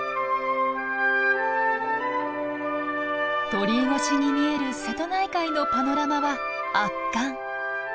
鳥居越しに見える瀬戸内海のパノラマは圧巻。